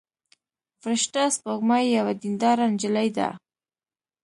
فرشته سپوږمۍ یوه دينداره نجلۍ ده.